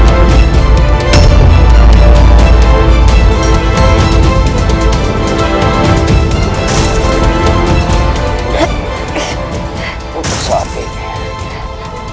untuk saat ini